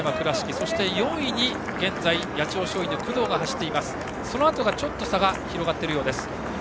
そのあとがちょっと差が広がっているようです。